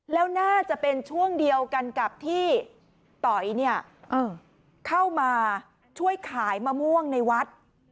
แล้วน่าจะเป็นช่วงเดียวกันกับที่ต๋อยเข้ามาช่วยขายมะม่วงในวัด